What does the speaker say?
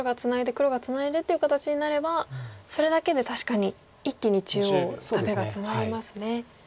黒がツナいでっていう形になればそれだけで確かに一気に中央ダメがツマりますね。